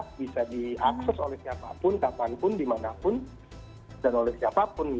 dan bisa diakses oleh siapapun kapanpun dimanapun dan oleh siapapun